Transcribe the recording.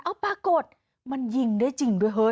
เอาปรากฏมันยิงได้จริงด้วยเฮ้